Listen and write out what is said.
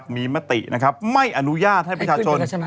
มีมตินะครับไม่อนุญาตให้ประชาชน